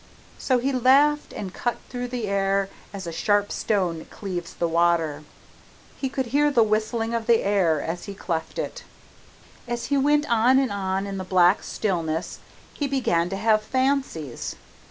So he laughed, and cut through the air as a sharp stone cleaves the water. He could hear the whistling of the air as he cleft it. As he went on and on in the black stillness, he began to have fancies.